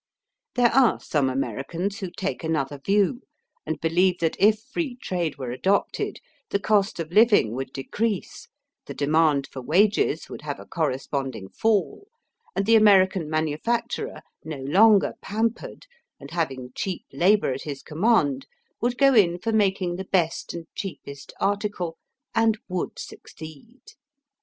*' There are some Americans who take another view, and believe that if Free Trade were adopted, the cost of living would decrease, the demand for wages would have a corre sponding fall, and the American manufacturer, no longer pampered, and having cheap labour at his command, would go in for making the best and cheapest article, and would succeed.